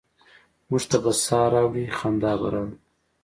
موږ ته به سا ه راوړي، خندا به راوړي؟